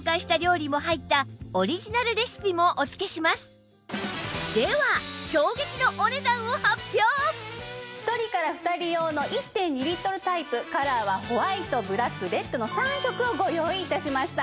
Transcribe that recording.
今回はでは衝撃の１人から２人用の １．２ リットルタイプカラーはホワイトブラックレッドの３色をご用意致しました。